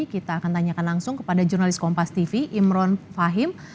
kita akan tanyakan langsung kepada jurnalis kompas tv imron fahim